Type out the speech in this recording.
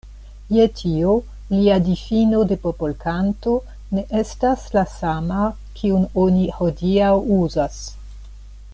Je tio lia difino de popolkanto ne estas la sama, kiun oni hodiaŭ uzas.